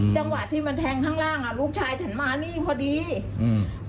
จังหวะที่มันแทงข้างล่างอ่ะลูกชายฉันมานี่พอดีอืม